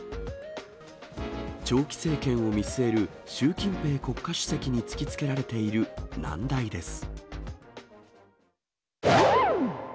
長期政権を見据える習近平国家主席に突きつけられている難題です。